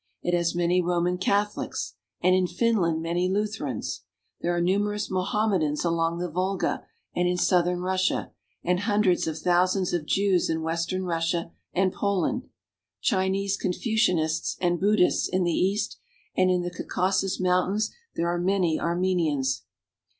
It has many Roman Catho lics, and in Finland many Lutherans. There are numerous Mohammedans along the Volga " The y dress ™ and in southern Russia, and hundreds of thou sands of Jews in western Russia and Poland. There are Chinese Confucianists and Buddhists in the east, and in the Caucasus Mountains there are many Armenians.